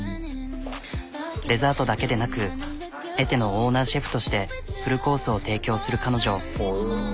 デザートだけでなくｔのオーナーシェフとしてフルコースを提供する彼女。